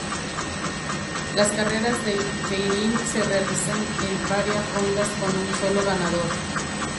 Las carreras de keirin se realizan en varias rondas con un solo ganador.